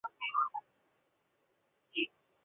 箭叶水苏为唇形科箭叶水苏属下的一个种。